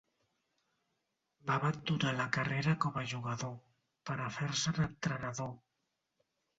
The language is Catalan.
Va abandonar la carrera com a jugador, per a fer-se en entrenador.